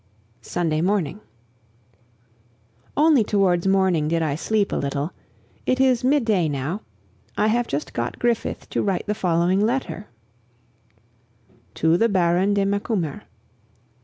Sunday Morning. Only towards morning did I sleep a little. It is midday now. I have just got Griffith to write the following letter: "To the Baron de Macumer.